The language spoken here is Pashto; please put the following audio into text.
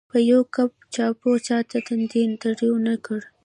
په یوه کپ چایو چاته تندی تریو نه کړ.